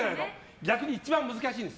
逆に一番難しいです。